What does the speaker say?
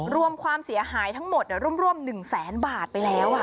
รวมความเสียหายทั้งหมดร่วม๑แสนบาทไปแล้ว